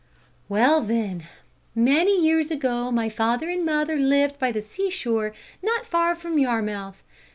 "Well, then, many years ago my father and mother lived by the seashore not far from Yarmouth.